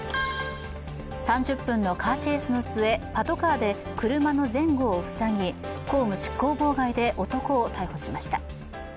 ３０分のカーチェイスの末パトカーで車の前後を塞ぎ公務執行妨害で男を逮捕しました。